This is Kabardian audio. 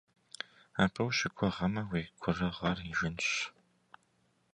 Абы ущыгугъмэ, уи гурыгъыр ижынщ.